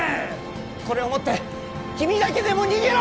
これを持って君だけでも逃げろ！